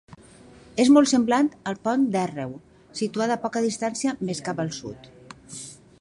És molt semblant al Pont d'Àrreu, situat a poca distància, més cap al sud.